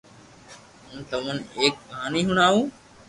ھون تمو ني ايڪ ڪہاني ھڻاو